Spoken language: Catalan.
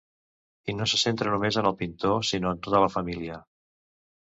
I no se centra només en el pintor sinó en tota la família.